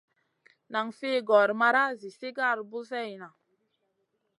Nan fi gor mara zi sigar buseyna.